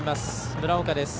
村岡です。